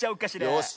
よし。